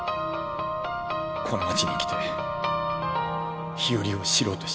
この町に来て日和を知ろうとした。